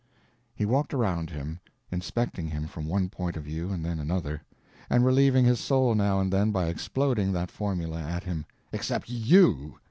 _" He walked around him—inspecting him from one point of view and then another, and relieving his soul now and then by exploding that formula at him; "Except _you!